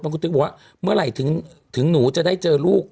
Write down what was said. คุณติ๊กบอกว่าเมื่อไหร่ถึงหนูจะได้เจอลูก